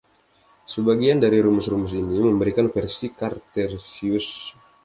Sebagian dari rumus-rumus ini memberikan versi “Cartesius”.